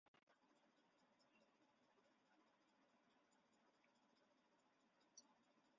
该站的主要乘客为上班族以及位于车站附近的的学生。